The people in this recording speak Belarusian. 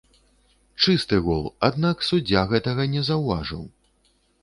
Чысты гол, аднак суддзя гэтага не заўважыў.